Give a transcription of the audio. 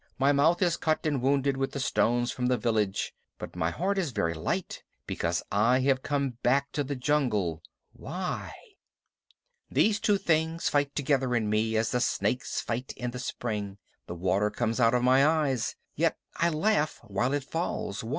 My mouth is cut and wounded with the stones from the village, but my heart is very light, because I have come back to the jungle. Why? These two things fight together in me as the snakes fight in the spring. The water comes out of my eyes; yet I laugh while it falls.